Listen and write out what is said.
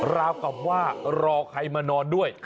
ราวกับว่ารอใครมานอนด้วย